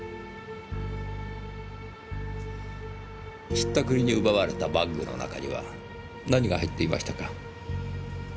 引ったくりに奪われたバッグの中には何が入っていましたか？